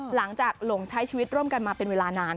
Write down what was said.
หลงใช้ชีวิตร่วมกันมาเป็นเวลานาน